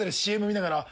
ＣＭ見ながら。